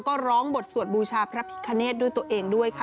ก็ร้องบทสวดบูชาพระพิคเนตด้วยตัวเองด้วยค่ะ